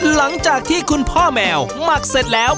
หลังจากที่คุณพ่อแมวหมักเสร็จแล้ว